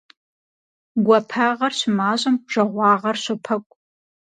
Гуапагъэр щымащӀэм жагъуагъэр щопэкӀу.